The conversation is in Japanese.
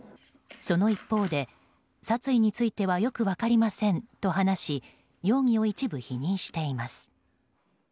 その一方で、殺意についてはよく分かりませんと話し容疑を一部否認しています。